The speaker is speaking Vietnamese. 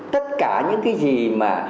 tất cả những cái gì mà